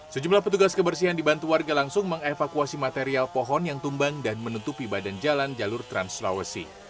sejumlah petugas kebersihan dibantu warga langsung mengevakuasi material pohon yang tumbang dan menutupi badan jalan jalur trans sulawesi